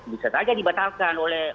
bisa saja dibatalkan